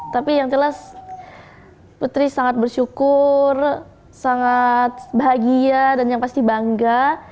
tapi yang jelas putri sangat bersyukur sangat bahagia dan yang pasti bangga